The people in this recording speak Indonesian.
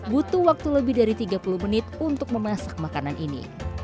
butuh waktu lebih dari tiga puluh menit untuk memasak makanan ini